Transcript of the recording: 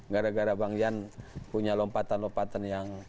gara gara bang jan punya lompatan lompatan yang